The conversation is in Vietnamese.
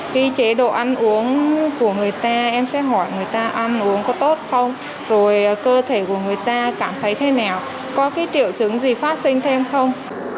cái chế độ ăn uống của người ta em sẽ hỏi người ta ăn uống có tốt không rồi cơ thể của người ta cảm thấy thế nào có cái triệu chứng gì phát sinh thêm không